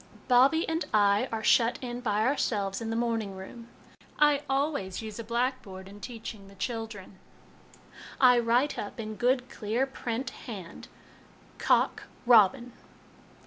Bobbie and I are shut in by ourselves in the morning room. I always use a black board in teaching the children. I write up, in good clear ' print ' hand, Cock Robin.